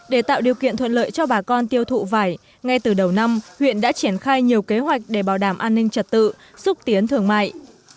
để tạo điều kiện thuận lợi cho bà con tiêu thụ vải ngay từ đầu năm huyện đã triển khai nhiều kế hoạch để bảo đảm an ninh trật tự xúc tiến thương mại